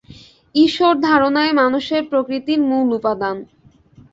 ঈশ্বর-ধারণাই মানুষের প্রকৃতির মূল উপাদান।